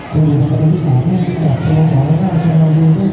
กลุ่มรับรูปสามารถให้อันดับโชว์สามารถช่วยอยู่ในแห่งของเรียนรับทรีย์